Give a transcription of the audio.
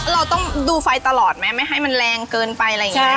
เราต้องดูไฟตลอดไหมไม่ให้มันแรงเกินไปอะไรอย่างนี้